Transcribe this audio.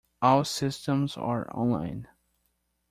All systems are online.